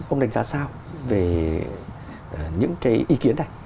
ông đánh giá sao về những cái ý kiến này